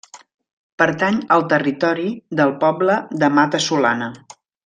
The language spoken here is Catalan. Pertany al territori del poble de Mata-solana.